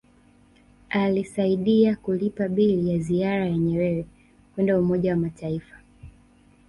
Alisaidia kulipa bili ya ziara ya Nyerere kwenda Umoja wa Mataifa